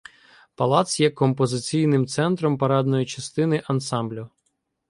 Палац є композиційним центром парадної частини ансамблю.